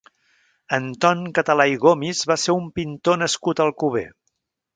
Anton Català i Gomis va ser un pintor nascut a Alcover.